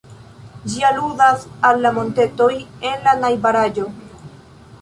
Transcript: Ĝi aludas al la montetoj en la najbaraĵo.